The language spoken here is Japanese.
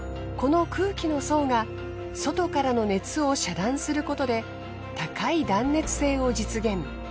この空気の層が外からの熱を遮断することで高い断熱性を実現。